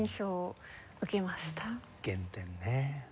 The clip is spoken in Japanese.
原点ね。